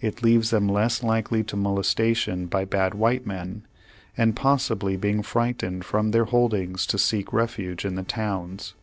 It leaves them less likely to molesta tion by bad white men, and possibly being fright ened from their holdings to seek refuge in the towns.